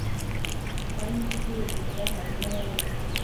kandi si we gusa hari n'abandi.